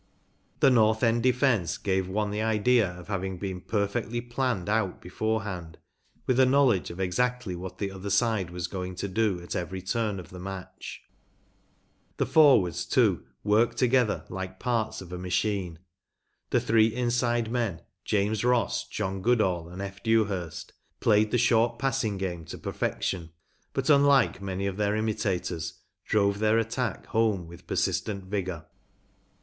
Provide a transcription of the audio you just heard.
The North End defence gave one the idea of having been perfectly planned out beforehand with a knowledge of exactly what the other side was going to do at every turn of the match. The forwards, too, worked together like parts of a machine. The three inside men, James Ross, John Goodall, and F. Dewhurst, played the short passing game to perfection, but, unlike many of their imitators, drove their attack home with persistent vigour.